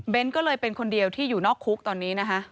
ก็เลยเป็นคนเดียวที่อยู่นอกคุกตอนนี้นะคะ